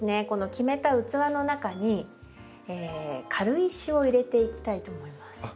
この決めた器の中に軽石を入れていきたいと思います。